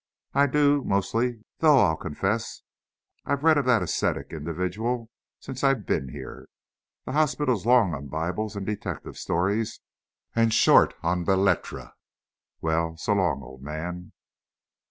"I do, mostly; though I'll confess I read of that ascetic individual since I've been here. The hospital is long on Bibles and detective stories, and short on belles lettres. Well, so long, old man!"